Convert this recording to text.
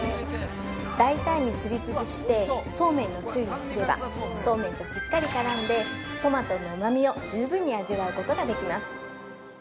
◆大胆にすり潰してそうめんのつゆにすればそうめんとしっかり絡んでトマトのうまみを十分に味わうことができます。